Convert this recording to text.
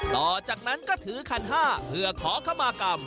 ต่อจากนั้นก็ถือขันห้าเพื่อขอขมากรรม